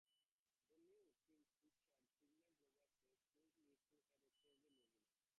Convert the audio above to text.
They new team featured Kingsland Rovers player Claude List who had represented New Zealand.